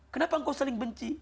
kenapa engkau saling benci